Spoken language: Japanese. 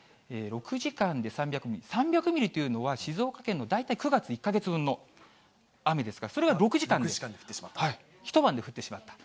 ６時間で３００ミリ、３００ミリというのは、静岡県の大体９月１か月分の雨ですから、それが６時間で降ってしまった、一晩で降ってしまった。